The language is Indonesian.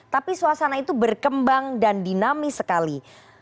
tapi suasana itu berkembang dan dinamis sekali